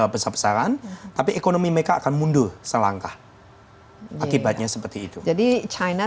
besar besaran tapi ekonomi mereka akan mundur selangkah akibatnya seperti itu jadi china